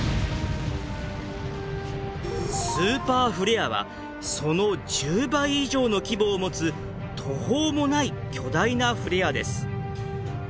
スーパーフレアはその１０倍以上の規模を持つ途方もない巨大なフレアです。